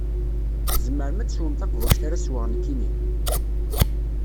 Tzemrem ad teswem taqbuct ara sweɣ nekkini?